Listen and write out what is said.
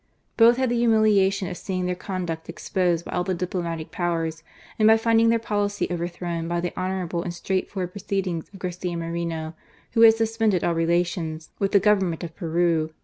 Both had the humiliation of seeing their conduct exposed by all the diplomatic Powers, and by finding their policy overthrown by the hon ourable and straightforward proceedings of Garcia Moreno, who had suspended all relations with the Government of Peru.